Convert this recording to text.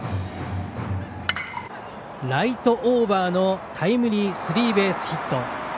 ライトオーバーのタイムリースリーベースヒット。